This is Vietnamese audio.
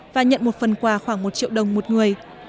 và nhận một phần quà khoảng một triệu đồng một người